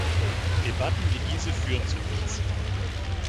Debatten wie diese führen zu nichts.